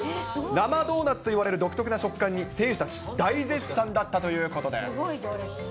生ドーナツといわれる独特な食感に選手たち、大絶賛だったというすごい行列。